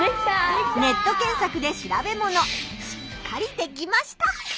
ネット検索で調べものしっかりできました。